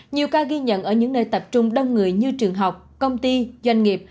nhiều ca ghi nhận ở những nơi tập trung đông người như trường học công ty doanh nghiệp